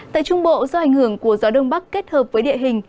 tại trung bộ do ảnh hưởng của gió đông bắc kết hợp với địa hình